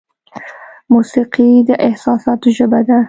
موسیقي د احساساتو ژبه ده.